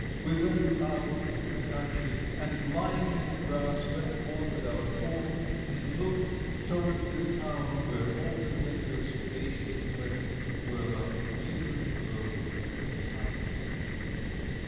We went out into the country, and lying in the grass went on with our talk, and looked towards the town where all the windows facing west were like glittering gold because the sun was setting.